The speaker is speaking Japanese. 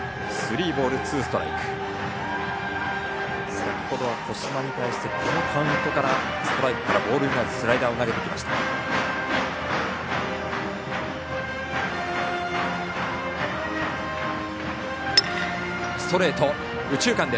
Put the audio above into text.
先ほどは後間に対してこのカウントからストライクからボールになるスライダーを投げました。